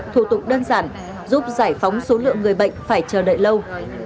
thủ tục đơn giản giúp giải phóng số lượng người bệnh phải chờ đợi lâu